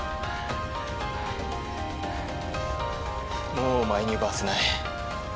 もうお前に奪わせない。